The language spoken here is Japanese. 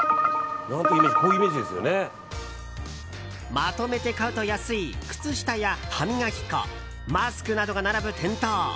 まとめて買うと安い靴下や歯磨き粉、マスクなどが並ぶ店頭。